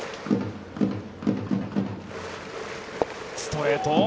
ストレート。